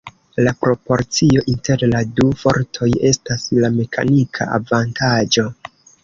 La proporcio inter la du fortoj estas la mekanika avantaĝo.